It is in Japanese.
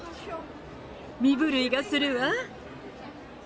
身震いがするわ。